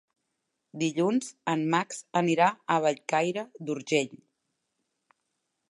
Dilluns en Max anirà a Bellcaire d'Urgell.